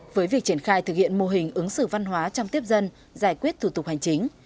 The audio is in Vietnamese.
với việc triển khai thực hiện mô hình ứng xử văn hóa trong tiếp dân giải quyết thủ tục hành chính